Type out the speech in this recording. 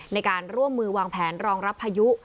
ในการร่วมมือวางแผนรองรับพายุ